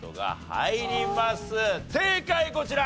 正解こちら！